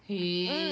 うん！